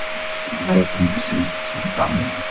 Coalmining started early in this area.